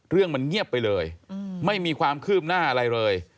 เรื่องมันเงียบไปเลยไม่มีความคืบหน้าอะไรเลย